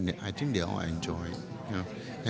dan saya pikir mereka semua menikmatinya